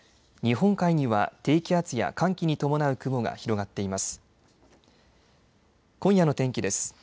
日本海には低気圧や寒気に伴う雲が広がっています。